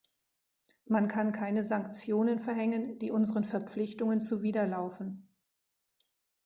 Man kann keine Sanktionen verhängen, die unseren Verpflichtungen zuwiderlaufen.